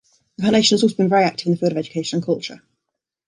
The Foundation has also been very active in the field of education and culture.